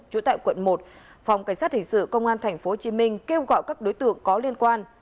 chủ tại quận một phòng cảnh sát hình sự công an tp hcm kêu gọi các đối tượng có liên quan